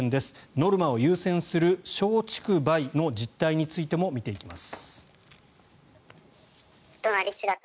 ノルマを優先する松竹梅の実態についても見ていきます。